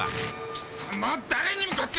貴様誰に向かって！